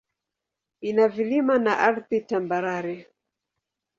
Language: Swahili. Ina vilima na ardhi tambarare.